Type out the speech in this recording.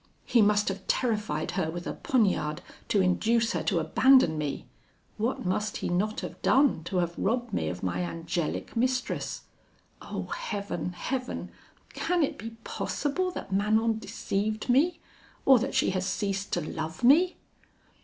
He must have terrified her with a poniard, to induce her to abandon me.' What must he not have done to have robbed me of my angelic mistress? Oh Heaven! Heaven! can it be possible that Manon deceived me, or that she has ceased to love me!